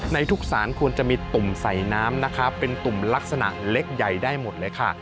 ในทุกสารควรจะมีตุ่มใส่น้ำนะคะเป็นตุ่มลักษณะเล็กใหญ่ได้หมดเลยค่ะ